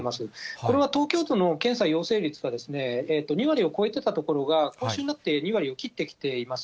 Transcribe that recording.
これは東京都の検査陽性率が２割を超えてたところが、今週になって２割を切ってきています。